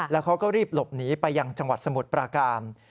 แล้วเขาก็รีบหลบหนีไปยังจังหวัดสมุทรปราการ